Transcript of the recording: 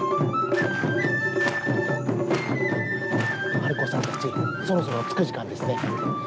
ハルコさんたちそろそろ着く時間ですね。